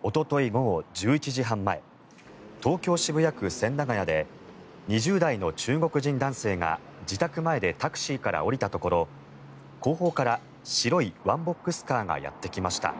午後１１時半前東京・渋谷区千駄ヶ谷で２０代の中国人男性が自宅前でタクシーから降りたところ後方から白いワンボックスカーがやってきました。